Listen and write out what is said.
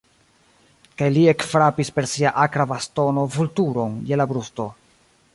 Kaj li ekfrapis per sia akra bastono Vulturon je la brusto.